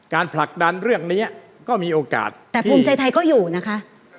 ผลักดันเรื่องนี้ก็มีโอกาสแต่ภูมิใจไทยก็อยู่นะคะ